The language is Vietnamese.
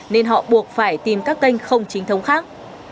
nên họ buộc phải tìm các kênh không chính thống khác